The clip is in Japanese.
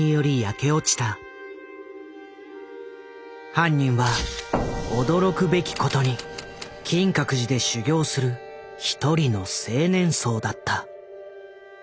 犯人は驚くべきことに金閣寺で修行する一人の青年僧だった。